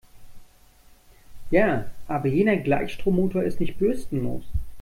Ja, aber jener Gleichstrommotor ist nicht bürstenlos.